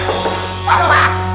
eh pak dek